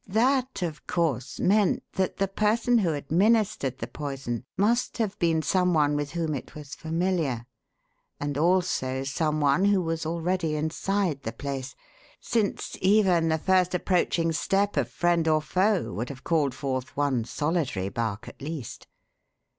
That, of course, meant that the person who administered the poison must have been some one with whom it was familiar, and also some one who was already inside the place, since even the first approaching step of friend or foe would have called forth one solitary bark at least.